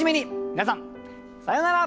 皆さんさようなら。